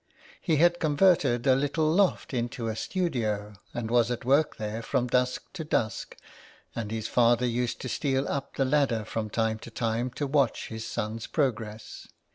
He had converted a little loft into a studio, and was at work there from dusk to dusk, and his father used to steal up the ladder from time to time to watch his son's progress.